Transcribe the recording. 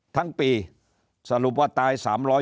ทั้งปีสรุปว่าตาย๓๕